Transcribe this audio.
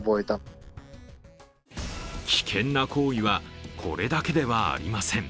危険な行為はこれだけではありません。